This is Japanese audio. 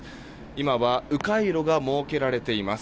今は迂回路が設けられています。